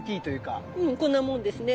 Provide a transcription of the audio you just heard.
うんこんなもんですね。